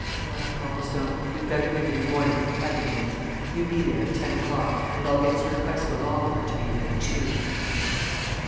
Well Copplestone, we'd better meet in the morning at Petherton's. You be there at ten o'clock, and I'll get Sir Cresswell Oliver to be there, too."